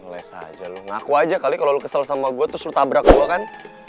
ngelesa aja lu ngaku aja kali kalo lu kesel sama gua terus lu tabrak gua kan